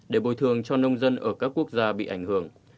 để bồi thường cho nông dân ở các quốc gia bị ảnh hưởng